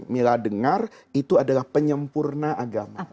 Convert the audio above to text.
mila dengar itu adalah penyempurna agama